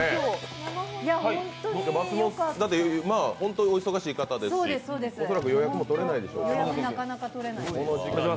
だって本当にお忙しい方ですし恐らく予約も取れないですから。